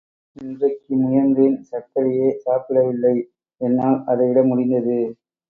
இன்றைக்கு முயன்றேன் சக்கரையே சாப்பிடவில்லை என்னால் அதை விட முடிந்தது.